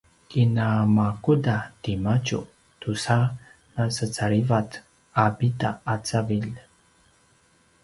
kinamakuda timadju tusa nasecalivat a pida a cavilj